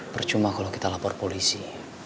percuma kalau kita lapor polisi